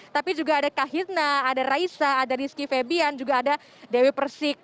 tapi juga ada kak hitna ada raisa ada rizky febian juga ada dewi persik